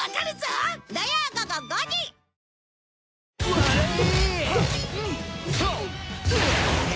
笑え！